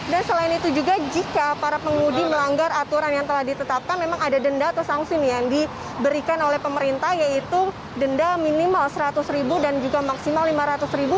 dan selain itu juga jika para pengumum di melanggar aturan yang telah ditetapkan memang ada denda atau sangsim yang diberikan oleh pemerintah yaitu denda minimal rp seratus dan juga maksimal rp lima ratus